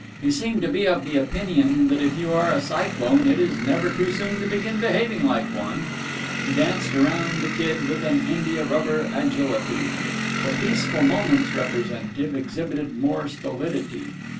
He seemed to be of the opinion that if you are a cyclone, it is never too soon to begin behaving like one. He danced round the Kid with an india rubber agility. The Peaceful Moments representative exhibited more stolidity.